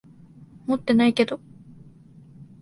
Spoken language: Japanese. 持ってないけど。